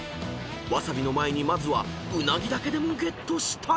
［わさびの前にまずはうなぎだけでもゲットしたい］